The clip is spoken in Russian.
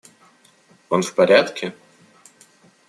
Он в порядке?